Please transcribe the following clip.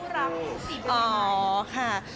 รักสิอ๋อค่ะ